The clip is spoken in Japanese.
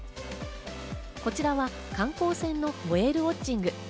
こちらは観光船のホエールウォッチング。